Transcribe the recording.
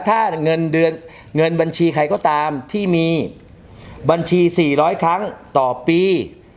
ถ้าเงินบัญชีใครก็ตามที่มีบัญชี๔๐๐ครั้งต่อปี